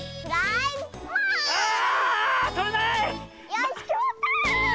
よしきまった！